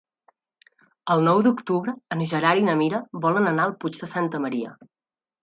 El nou d'octubre en Gerard i na Mira volen anar al Puig de Santa Maria.